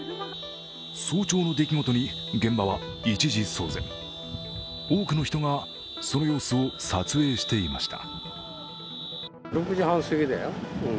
早朝の出来事に現場は一時騒然、多くの人がその様子を撮影していました。